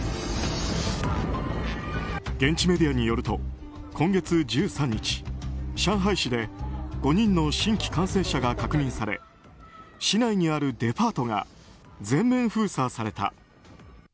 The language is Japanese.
現地メディアによると今月１３日上海市で５人の新規感染者が確認され市内にあるデパートが全面封鎖された。